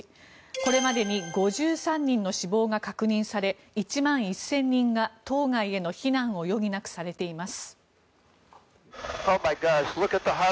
これまでに５３人の死亡が確認され１万１０００人が島外への避難を余儀なくされています。